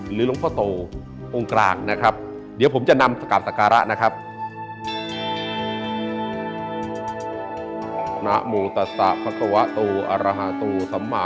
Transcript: หลวงพ่อโตองค์กลางนะครับเดี๋ยวผมจะนำสกราบสการะนะครับ